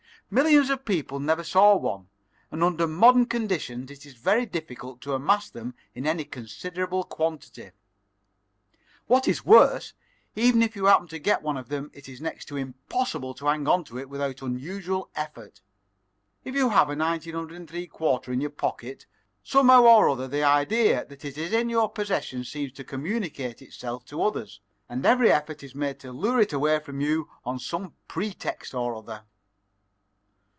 "Millions of people never saw one, and under modern conditions it is very difficult to amass them in any considerable quantity. What is worse, even if you happen to get one of them it is next to impossible to hang on to it without unusual effort. If you have a 1903 quarter in your pocket, somehow or other the idea that it is in your possession seems to communicate itself to others, and every effort is made to lure it away from you on some pretext or other."